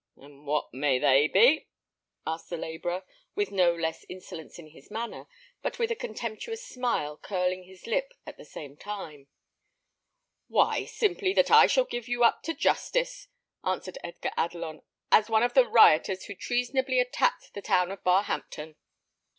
"And what may they be?" asked the labourer, with no less insolence in his manner, but with a contemptuous smile curling his lip at the same time. "Why, simply, that I shall give you up to justice," answered Edgar Adelon, "as one of the rioters who treasonably attacked the town of Barhampton."